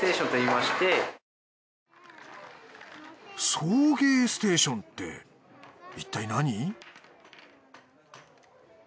送迎ステーションっていったい何？